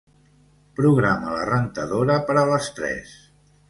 Programa la rentadora per a les tres.